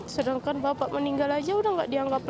sedangkan bapak meninggal aja udah gak dianggap lagi